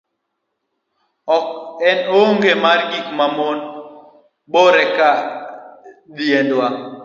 ok en onge mar gik mamon bore go ka dhiedwe